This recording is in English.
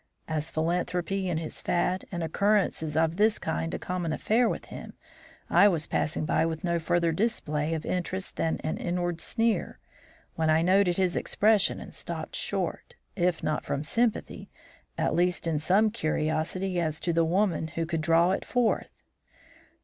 As philanthropy is his fad and occurrences of this kind a common affair with him, I was passing by with no further display of interest than an inward sneer, when I noted his expression and stopped short, if not from sympathy, at least in some curiosity as to the woman who could draw it forth.